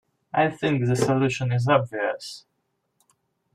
I think the solution is obvious.